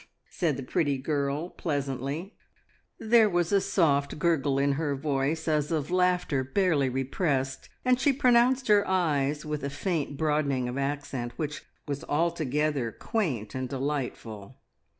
said the pretty girl pleasantly. There was a soft gurgle in her voice as of laughter barely repressed, and she pronounced her i's with a faint broadening of accent, which was altogether quaint and delightful.